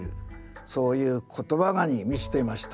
そういう言葉に満ちていました。